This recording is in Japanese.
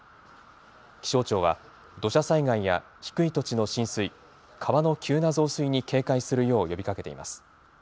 気象庁は土砂災害や低い土地の浸水、川の急な増水に警戒するよう呼びかけています。